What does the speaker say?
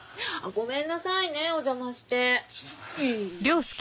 ごめんなさいねお邪魔して。